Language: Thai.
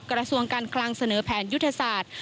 กระทรวงการคลังเสนอแผนยุทธศาสตร์